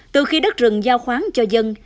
từ khi đất rừng giao khoáng cho dân